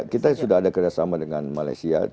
kita sudah ada kerjasama dengan malaysia